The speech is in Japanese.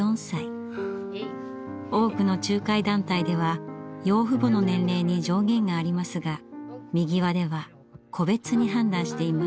多くの仲介団体では養父母の年齢に上限がありますがみぎわでは個別に判断しています。